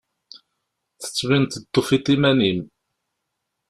Tettbineḍ-d tufiḍ iman-im.